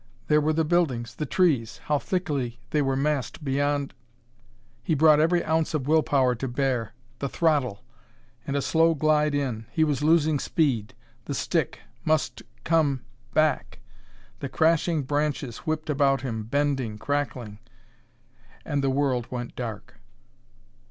There were the buildings, the trees! How thickly they were massed beyond He brought every ounce of will power to bear ... the throttle! and a slow glide in ... he was losing speed ... the stick must come back! The crashing branches whipped about him, bending, crackling and the world went dark....